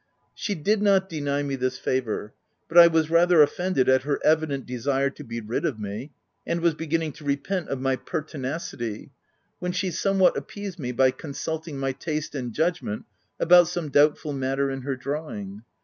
She did not deny me this favour ; but I was rather offended at her evident desire to be rid of me, and was beginning to repent of my per tinacity, when she somewhat appeased me by consulting my taste and judgment about some 134 THE TENANT doubtful matter in her drawing.